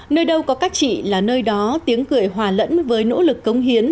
nơi đâu có các chị là nơi đó tiếng cười hòa lẫn với nỗ lực cống hiến